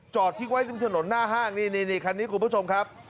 ทิ้งไว้ริมถนนหน้าห้างนี่คันนี้คุณผู้ชมครับ